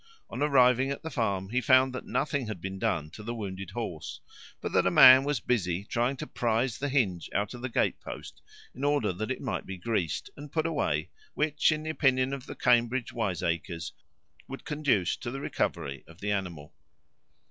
On arriving at the farm he found that nothing had been done for the wounded horse, but that a man was busy trying to pry the hinge out of the gatepost in order that it might be greased and put away, which, in the opinion of the Cambridge wiseacres, would conduce to the recovery of the animal.